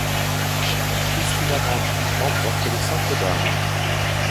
Kristina Brandi remporte le simple dames.